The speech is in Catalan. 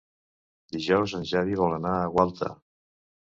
Dijous en Xavi vol anar a Gualta.